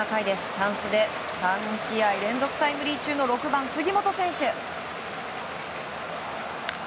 チャンスで３試合連続タイムリー中の６番、杉本選手。